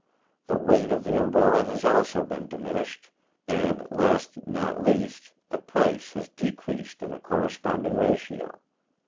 The weight of the Umbrella has also been diminished, and, last not least, the price has decreased in a corresponding ratio.